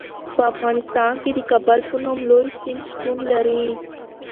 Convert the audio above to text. په افغانستان کې د کابل په نوم لوی سیند شتون لري.